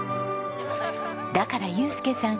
だから祐介さん